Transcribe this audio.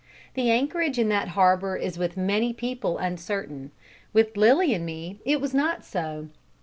The anchorage in that harbour is with many people uncertain. With Lilly and me it was not so.